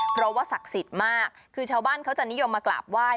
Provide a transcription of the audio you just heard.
เพราะว่าศักดิ์สิทธิ์มากคือชาวบ้านเขาจะนิยมมากราบไหว้